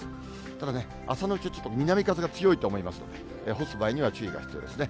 ただね、朝のうちはちょっと南風が強いと思いますので、干す場合には注意が必要ですね。